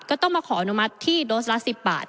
ก็ต้องมาขออนุมัติที่โดสละ๑๐บาท